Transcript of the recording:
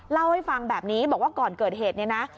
เล่าให้ฟังแบบนี้บอกว่าก่อนเกิดเหตุเนี่ยนะ